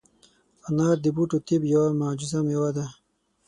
انار د بوټو طب یوه معجزه مېوه ده.